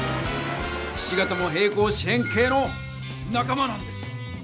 ひし形も平行四辺形のなか間なんです。